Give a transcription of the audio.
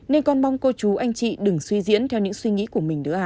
nên con mong cô chú anh chị đừng suy diễn theo những suy nghĩ của mình được ạ